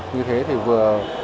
như thế thì vừa